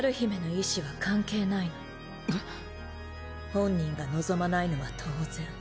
本人が望まないのは当然。